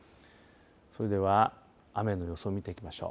それでは雨の予想を見ていきましょう。